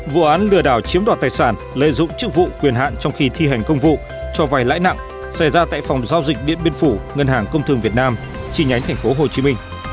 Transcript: vụ án lừa đảo chiếm đoạt tài sản lợi dụng chức vụ quyền hạn trong khi thi hành công vụ cho vay lãi nặng xảy ra tại phòng giao dịch điện biên phủ ngân hàng công thương việt nam chi nhánh tp hcm